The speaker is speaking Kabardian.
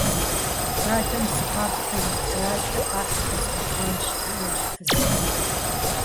Хадэм зы къэб къинэжащи, къэхь, пхуэзгъэвэнщ, - жиӀащ фызым.